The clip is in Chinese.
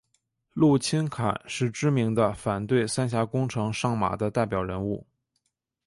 陆钦侃是知名的反对三峡工程上马的代表人物。